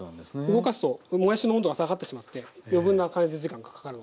動かすともやしの温度が下がってしまって余分な加熱時間がかかる。